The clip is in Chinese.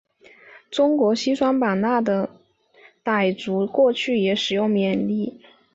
中国西双版纳的傣族过去也使用缅历。